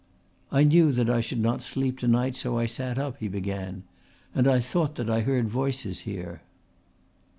"I knew that I should not sleep to night, so I sat up," he began, "and I thought that I heard voices here."